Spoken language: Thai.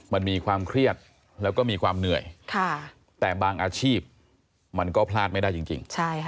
มันมีความเครียดแล้วก็มีความเหนื่อยแต่บางอาชีพมันก็พลาดไม่ได้จริง